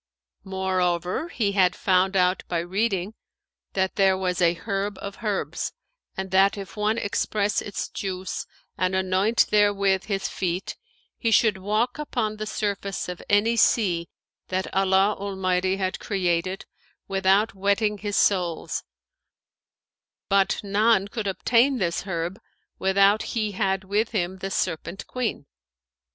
Moreover, he had found out by reading that there was a herb of herbs and that if one express its juice and anoint therewith his feet, he should walk upon the surface of any sea that Allah Almighty had created without wetting his soles, but none could obtain this herb, without he had with him the Serpent queen.